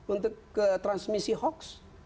untuk ke transmisi hoax